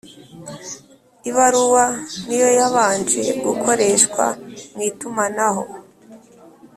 ibaruwa ni yo yabanje gukoreshwa mu itumanaho